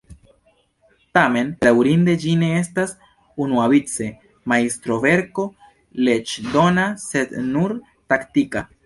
Tamen, bedaŭrinde, ĝi ne estas unuavice majstroverko leĝdona sed nur taktika.